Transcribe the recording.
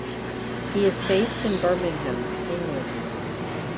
He is based in Birmingham, England.